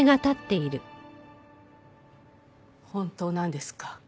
本当なんですか？